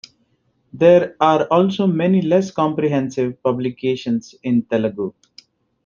There are also many less comprehensive publications in Telugu.